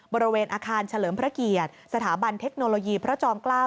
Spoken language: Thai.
บริเวณอาคารเฉลิมพระเกียรติสถาบันเทคโนโลยีพระจอมเกล้า